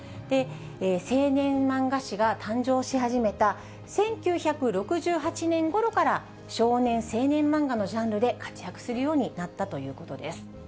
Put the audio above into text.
青年漫画誌が誕生し始めた１９６８年ごろから、少年・青年漫画のジャンルで活躍するようになったということです。